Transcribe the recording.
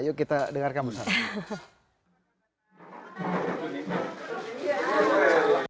yuk kita dengarkan bersama